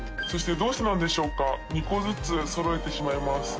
そして、どうしてなんでしょうか、２個ずつそろえてしまいます。